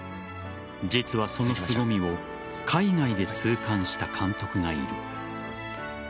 実はそのすごみを海外で痛感した監督がいる。